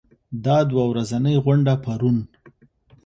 دا دوه ورځنۍ غونډه پرون